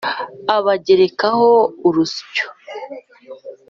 abagerakaho urusyo